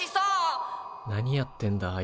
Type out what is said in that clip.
何やってんだあいつは。